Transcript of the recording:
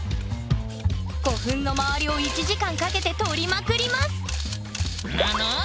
古墳の周りを１時間かけて撮りまくりますぬぬ。